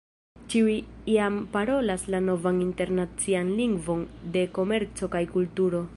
Ĉiuj jam parolas la novan internacian lingvon de komerco kaj kulturo!